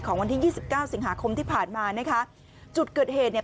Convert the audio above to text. วันที่ยี่สิบเก้าสิงหาคมที่ผ่านมานะคะจุดเกิดเหตุเนี่ย